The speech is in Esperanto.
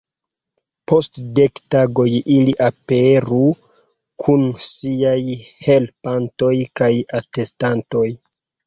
Post dek tagoj ili aperu kun siaj helpantoj kaj atestantoj!